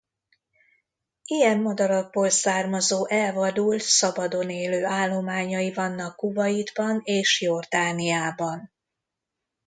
Ilyen madarakból származó elvadult szabadon élő állományai vannak Kuvaitban és Jordániában.